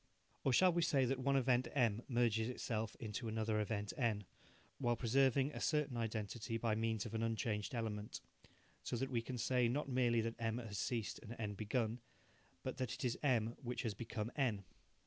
Or shall we say that one event M merges itself into another event N, while preserving a certain identity by means of an unchanged element, so that we can say, not merely that M has ceased and N begun, but that it is M which has become N?